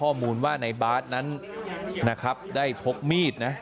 ข้อมูลว่าในบาร์ดนั้นนะครับได้พกมีดนะ